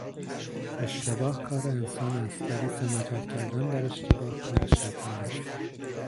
اشتباه کار انسان است ولی سماجت کردن در اشتباه کار شیطان است.